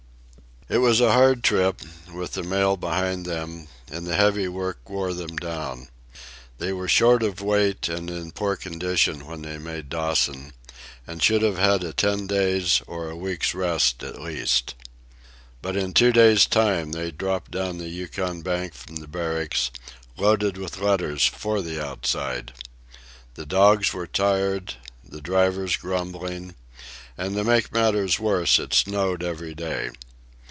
It was a hard trip, with the mail behind them, and the heavy work wore them down. They were short of weight and in poor condition when they made Dawson, and should have had a ten days' or a week's rest at least. But in two days' time they dropped down the Yukon bank from the Barracks, loaded with letters for the outside. The dogs were tired, the drivers grumbling, and to make matters worse, it snowed every day.